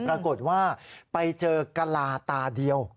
ปรากฏว่าไปเจอกะลาตาเดียว